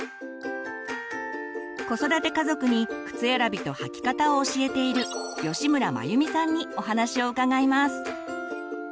子育て家族に靴選びと履き方を教えている吉村眞由美さんにお話を伺います。